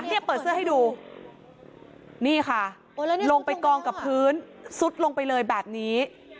เนี่ยเปิดเสื้อให้ดูนี่ค่ะลงไปกองกับพื้นซุดลงไปเลยแบบนี้